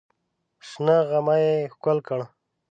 شنه غمی یې ښکل کړ.